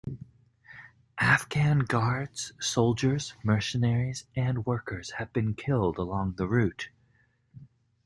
Afghan guards, soldiers, mercenaries, and workers have been killed along the route.